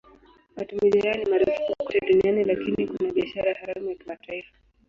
Matumizi haya ni marufuku kote duniani lakini kuna biashara haramu ya kimataifa.